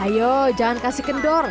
ayo jangan kasih kendor